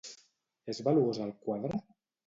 És valuós el quadre?